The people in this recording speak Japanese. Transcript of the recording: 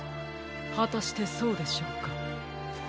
はたしてそうでしょうか？